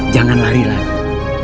jangan lari lagi